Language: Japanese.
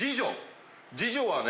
二女はね